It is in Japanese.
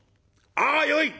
「ああよい！